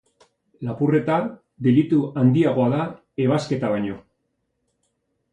Lapurreta delitu handiagoa da ebasketa baino.